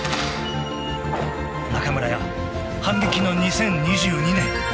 ［中村屋反撃の２０２２年］